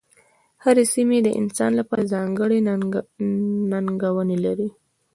هرې سیمې د انسان لپاره ځانګړې ننګونې لرلې.